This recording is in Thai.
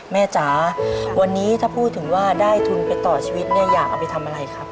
จ๋าวันนี้ถ้าพูดถึงว่าได้ทุนไปต่อชีวิตเนี่ยอยากเอาไปทำอะไรครับ